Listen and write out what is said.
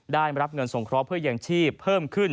ได้รับเงินสงเคราะห์เพื่อยังชีพเพิ่มขึ้น